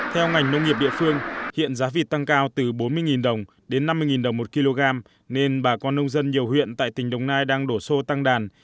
theo ngành nông nghiệp địa phương hiện giá vịt tăng cao từ bốn mươi đồng đến năm mươi đồng một kg nên bà con nông dân nhiều huyện tại tỉnh đồng nai đang đổ xô tăng đàn